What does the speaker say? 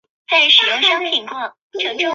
总共有十个参赛者赢得了数目不等的奖金。